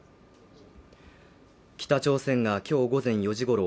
北朝鮮がきょう午前４時ごろ